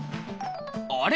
あれ？